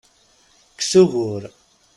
Kkes ugur!